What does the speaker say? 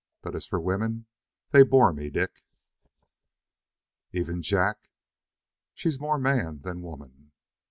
But as for women, they bore me, Dick." "Even Jack?" "She's more man than woman."